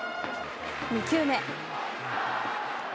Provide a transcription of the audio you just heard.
２球目。